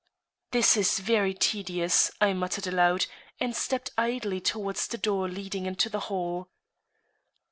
"This is very tedious," I muttered aloud, and stepped idly towards the door leading into the hall.